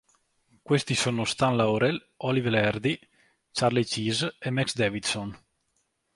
Questi sono Stan Laurel, Oliver Hardy, Charley Chase e Max Davidson.